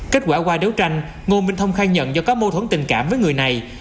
kết quả qua đấu tranh ngô minh thông khai nhận do có mâu thuẫn tình cảm với người này